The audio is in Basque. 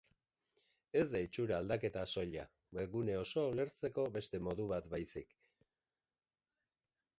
Ez da itxura aldaketa soila, webgune osoa ulertzeko beste modu bat baizik.